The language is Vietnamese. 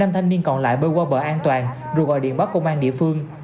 năm thanh niên còn lại bơi qua bờ an toàn rồi gọi điện báo công an địa phương